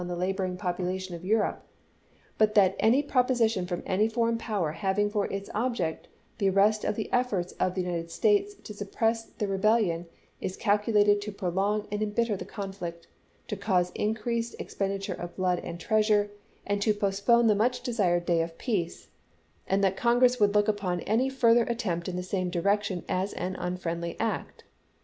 the laboring population of Europe, but that any proposition from any foreign power having for its object the arrest of the efforts of the United States to suppress the rebellion is calculated to prolong and embitter the conflict, to cause increased expen diture of blood and treasure, and to postpone the much desired day of peace, and that Congress would look upon any further attempt in the same direction as an unfriendly act.